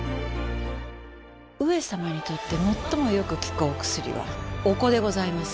上様にとってもっともよく効くお薬はお子でございます。